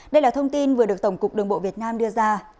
đây là thông tin vừa được tổng cục đường bộ việt nam đưa ra